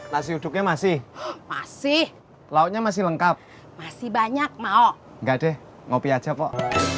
nasi uduknya masih masih lauknya masih lengkap masih banyak mau enggak deh ngopi aja kok